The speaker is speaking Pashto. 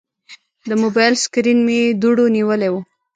د موبایل سکرین مې دوړه نیولې وه.